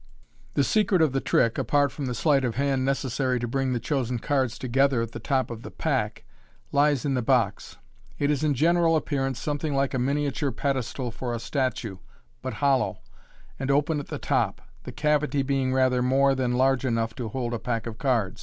The secret of the trick, apart from the sleight of hand necessary to bring the chosen cards togetb&r at the top of the pack, lies in the box. It is in general ap pearance something like a miniature pedestal for a statue, but hollow, and open at the top, the cavity being rather more than large enough to hold a packofcards.